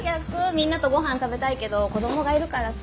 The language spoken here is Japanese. みんなとごはん食べたいけど子供がいるからさ。